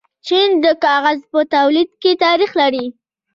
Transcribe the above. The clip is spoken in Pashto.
چین د کاغذ په تولید کې تاریخ لري.